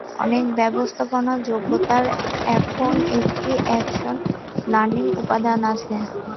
অনেক ব্যবস্থাপনা যোগ্যতার এখন একটি অ্যাকশন লার্নিং উপাদান আছে।